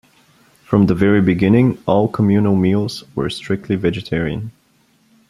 From the very beginning, all communal meals were strictly vegetarian.